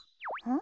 ん？